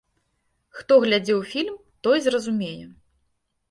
Хто глядзеў фільм, той зразумее.